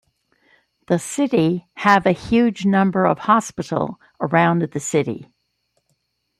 The city have a huge number of hospital around the city.